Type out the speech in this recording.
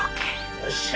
よっしゃ！